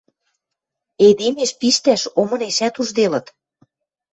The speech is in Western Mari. Эдемеш пиштӓш омынешӓт ужделыт.